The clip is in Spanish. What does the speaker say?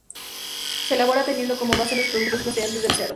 Se elabora teniendo como base los productos procedentes del cerdo.